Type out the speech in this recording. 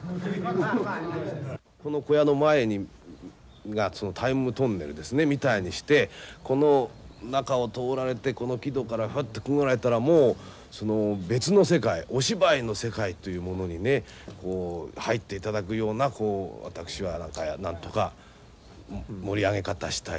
この小屋の前がタイムトンネルですねみたいにしてこの中を通られてこの木戸からフッとくぐられたらもう別の世界お芝居の世界というものにね入っていただくようなこう私はなんとか盛り上げ方したいな。